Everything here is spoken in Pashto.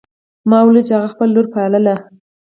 ما ولیدل چې هغه خپله لور پالي